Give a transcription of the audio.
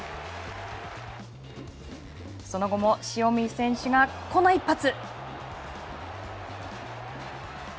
その後も塩見選手がこの一発。